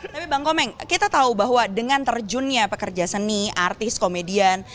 tapi bang komang kita tahu bahwa dengan terjunnya pekerja seni artis komedian